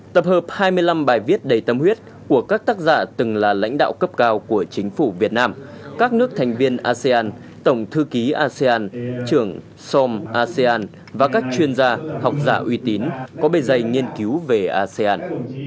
tập hợp hai mươi năm bài viết đầy tâm huyết của các tác giả từng là lãnh đạo cấp cao của chính phủ việt nam các nước thành viên asean tổng thư ký asean trưởng som asean và các chuyên gia học giả uy tín có bề dây nghiên cứu về asean